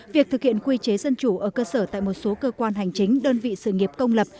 việc thực hiện quy chế dân chủ ở cơ sở tại một số cơ quan hành chính đơn vị sự nghiệp công lập